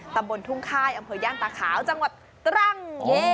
ตำบลทุ่งค่ายอำเภอย่านตาขาวจังหวัดตรัง